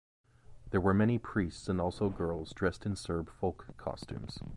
There were many priests and also girls dressed in Serb folk-costumes.